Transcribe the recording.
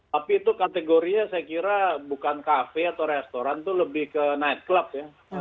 tapi itu kategorinya saya kira bukan kafe atau restoran itu lebih ke night club ya